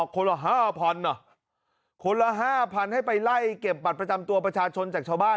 คนละ๕๐๐เหรอคนละ๕๐๐๐ให้ไปไล่เก็บบัตรประจำตัวประชาชนจากชาวบ้าน